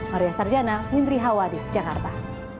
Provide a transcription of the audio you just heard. maria sarjana mimpri hawa des jakarta